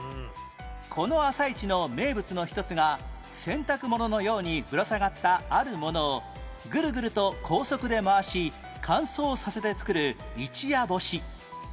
この朝市の名物の一つが洗濯物のようにぶら下がったあるものをぐるぐると高速で回し乾燥させて作る一夜干し